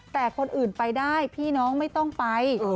แต่คนอื่นไปได้พี่น้องไม่ต้องไป